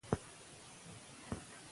څانګه د نيمې شپې په چوپتیا کې غوړېږي.